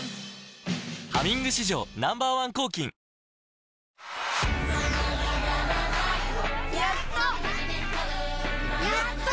「ハミング」史上Ｎｏ．１抗菌いい汗。